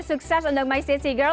sukses untuk my sissy girl